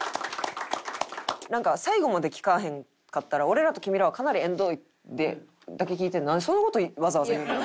なんか最後まで聴かへんかったら「俺らと君らはかなり縁遠い」だけ聴いてなんでそんな事わざわざ言うねん。